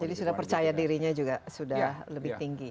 jadi sudah percaya dirinya juga sudah lebih tinggi